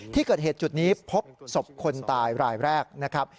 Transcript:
ที่เกิดเหตุจุดนี้พบศพคนตายรายแรกนะครับ